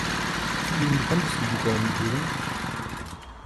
Zu ihren bekanntesten Buchreihen gehören